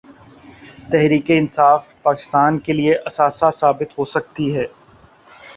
تحریک انصاف پاکستان کے لیے اثاثہ ثابت ہو سکتی ہے۔